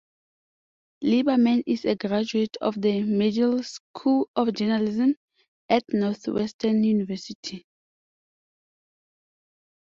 Leiberman is a graduate of the Medill School of Journalism at Northwestern University.